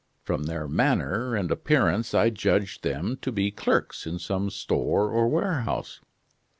From their manner and appearance, I judged them to be clerks in some store or warehouse.